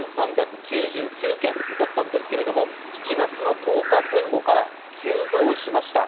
先月の１日、１３９９件だったんですけれども、７月の１０日前後から急増しました。